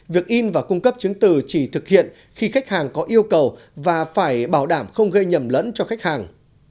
việc in và cung cấp chứng từ chỉ thực hiện khi khách hàng có yêu cầu và phải bảo đảm không gây nhầm lẫn cho khách hàng